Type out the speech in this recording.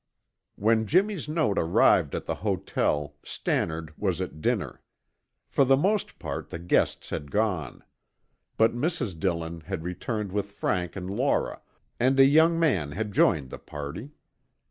When Jimmy's note arrived at the hotel Stannard was at dinner. For the most part, the guests had gone, but Mrs. Dillon had returned with Frank and Laura, and a young man had joined the party.